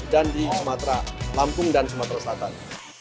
dan di sumatera lampung dan sumatera selatan